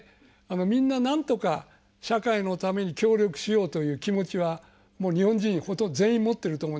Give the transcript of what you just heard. みんな何とか社会のために協力しようという気持ちは日本人ほとんど全員持ってると思う。